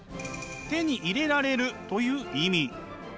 手に入れられるという意味。